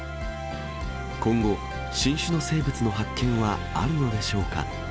今後、新種の生物の発見はあるのでしょうか。